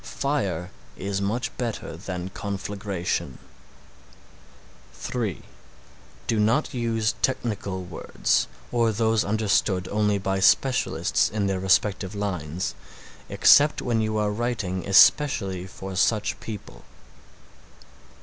Fire is much better than conflagration. (3) Do not use technical words, or those understood only by specialists in their respective lines, except when you are writing especially for such people.